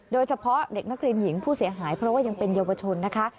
โดยเฉพาะเด็กนักเรียนหญิงผู้เสียหายเพราะว่ายังเป็นเยาวชนนะคะ